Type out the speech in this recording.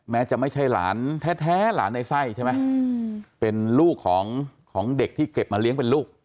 จะไม่ใช่หลานแท้หลานในไส้ใช่ไหมเป็นลูกของเด็กที่เก็บมาเลี้ยงเป็นลูก